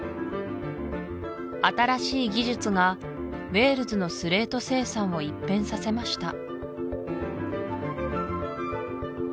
新しい技術がウェールズのスレート生産を一変させました